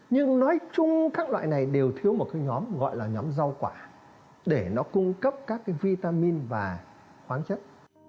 nhưng nói chung các loại này đều thiếu một cái nhóm gọi là nhóm rau quả để nó cung cấp các cái vitamin và khoáng chất